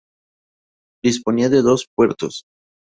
Disponía de dos puertos.